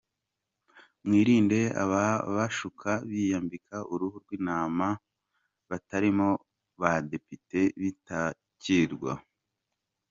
Mwirinde ababashuka biyambika uruhu rw’intama barimo ba depite Bitakirwa.